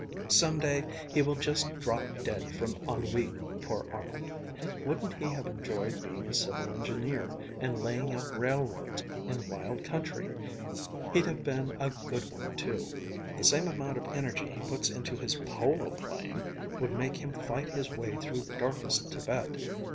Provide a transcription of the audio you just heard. Some day he will just drop dead from ennui, poor Arnold! Wouldn't he have enjoyed being a civil engineer, and laying out railroads in wild country! He'd have been a good one too! The same amount of energy he puts into his polo playing would make him fight his way through darkest Thibet."